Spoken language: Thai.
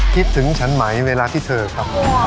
คิดถึงฉันไหมเวลาที่เธอครับ